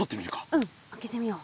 うん開けてみよう。